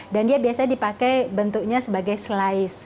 dan dia biasanya dipakai bentuknya sebagai slice